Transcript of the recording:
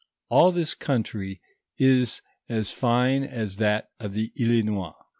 All this country is as fine as that of the Islinois. '